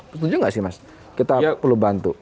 setuju nggak sih mas kita perlu bantu